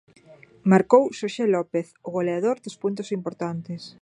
Marcou Xosé López, o goleador dos puntos importantes.